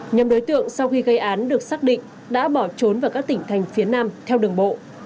nhóm đối tượng sau khi gây án được xác định đã bỏ trốn vào các tỉnh thành phía nam theo đường bộ